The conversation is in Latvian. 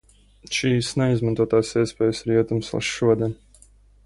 Šīs neizmantotās iespējas ir jūtamas vēl šodien.